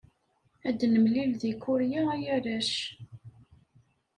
Ad nemlil deg Kurya a arrac!